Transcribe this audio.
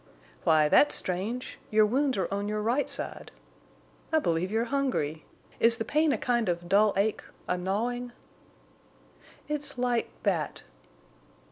"Why, that's strange! Your wounds are on your right side. I believe you're hungry. Is the pain a kind of dull ache—a gnawing?" "It's like—that."